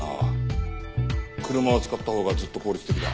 車を使ったほうがずっと効率的だ。